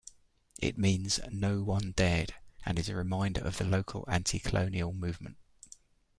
It means 'no one dared' and is a reminder of the local anti-colonial movement.